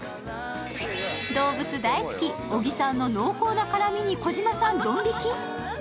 動物大好き、小木さんの濃厚な絡みに児嶋さんドン引き！？